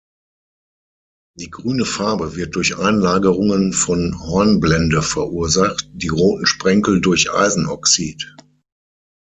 Die grüne Farbe wird durch Einlagerungen von Hornblende verursacht, die roten Sprenkel durch Eisenoxid.